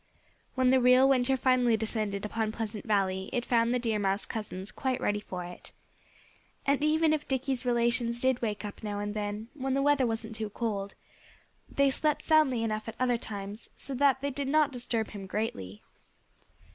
When the real winter finally descended upon Pleasant Valley it found the Deer Mouse cousins quite ready for it. And even if Dickie's relations did wake up now and then, when the weather wasn't too cold, they slept soundly enough at other times, so that they did not disturb him greatly.